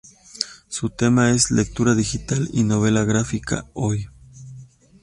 Su tema es "Lectura Digital y Novela Gráfica hoy".